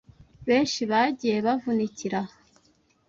benshi bagiye bavunikira aha